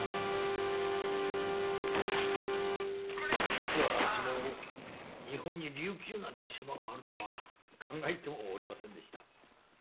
実はあっしも日本に琉球なんて島があるとは考えてもおりませんでした。